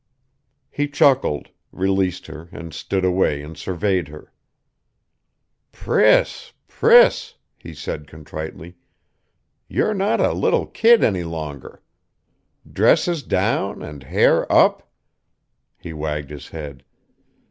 He chuckled, released her, and stood away and surveyed her. "Priss, Priss," he said contritely, "you're not a little kid any longer. Dresses down, and hair up...." He wagged his head.